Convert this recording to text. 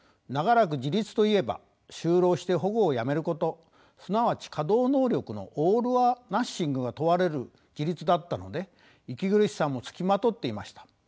長らく自立といえば就労して保護をやめることすなわち稼働能力のオールオアナッシングが問われる自立だったので息苦しさもつきまとっていました。